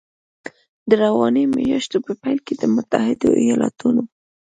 د روانې میاشتې په پیل کې د متحدو ایالتونو